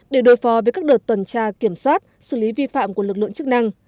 để đối phó với các đợt tuần tra kiểm soát xử lý vi phạm của lực lượng chức năng